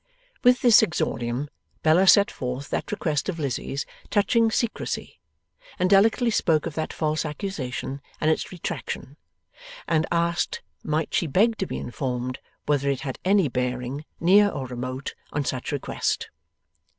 With this exordium, Bella set forth that request of Lizzie's touching secrecy, and delicately spoke of that false accusation and its retraction, and asked might she beg to be informed whether it had any bearing, near or remote, on such request.